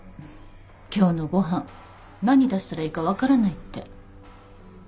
今日のご飯何出したらいいか分からないって。